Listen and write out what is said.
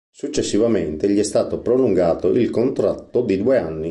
Successivamente gli è stato prolungato il contratto di due anni.